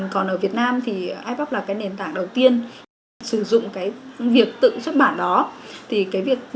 còn ở việt nam thì aipap là cái nền tảng đầu tiên sử dụng cái việc tự xuất bản đó thì cái việc